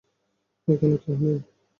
এখানে কেউ নেই।